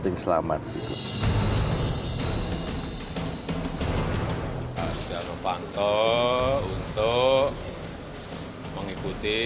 terima kasih pak deddy